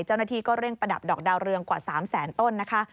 เจ้าหน้าที่ก็เร่งประดับดอกดาวเรืองกว่า๓แสนต้นนะคะ